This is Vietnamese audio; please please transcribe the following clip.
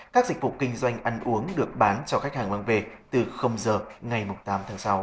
các dịch vụ kinh doanh ăn uống được bán cho khách hàng mang về từ giờ ngày tám tháng sáu